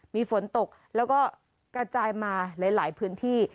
มีฝนตกแล้วก็กระจายมาหลายพื้นที่